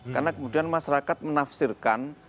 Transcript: karena kemudian masyarakat menafsirkan